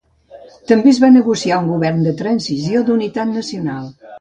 També es va negociar un govern de transició d'unitat nacional.